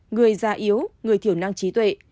người già yếu người thiểu năng trí tuệ